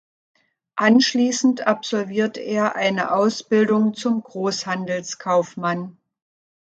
Anschließend absolvierte er eine Ausbildung zum Großhandelskaufmann.